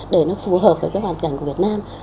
để nó phù hợp với cái hoàn cảnh của việt nam